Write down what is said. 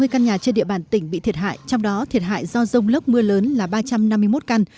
sáu mươi căn nhà trên địa bàn tỉnh bị thiệt hại trong đó thiệt hại do rông lốc mưa lớn là ba trăm năm mươi một căn